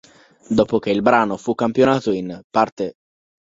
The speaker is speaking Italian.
Dopo che il brano fu campionato in "Pt.